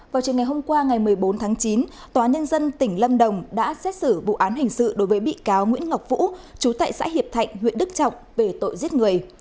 vào trường ngày hôm qua ngày một mươi bốn tháng chín tòa nhân dân tỉnh lâm đồng đã xét xử vụ án hình sự đối với bị cáo nguyễn ngọc vũ chú tại xã hiệp thạnh huyện đức trọng về tội giết người